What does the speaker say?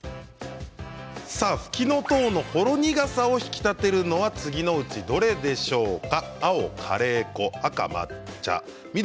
さあふきのとうのほろ苦さを引き立てるのは次のうちどれでしょうか？